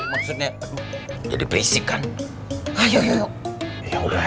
udah udah malam ayo pulang